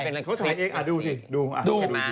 เขาถ่ายเองดูสิดูสิ